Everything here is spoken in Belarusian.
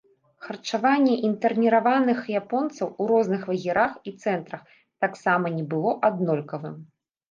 Харчаванне інтэрніраваных японцаў у розных лагерах і цэнтрах таксама не было аднолькавым.